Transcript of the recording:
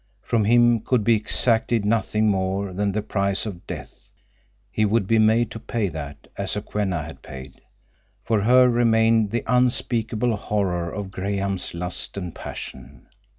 From him could be exacted nothing more than the price of death; he would be made to pay that, as Sokwenna had paid. For her remained the unspeakable horror of Graham's lust and passion.